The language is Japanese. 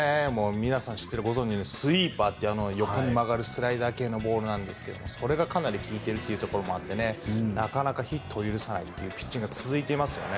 皆さん、ご存じのようにスイーパーという横に曲がるスライダー系のボールなんですがそれがかなり効いているというところもあってなかなかヒットを許さないというピッチングが続いていますよね。